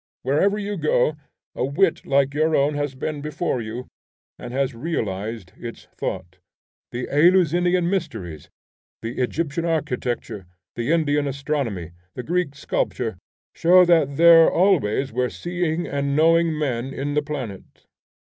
Wherever you go, a wit like your own has been before you, and has realized its thought. The Eleusinian mysteries, the Egyptian architecture, the Indian astronomy, the Greek sculpture, show that there always were seeing and knowing men in the planet.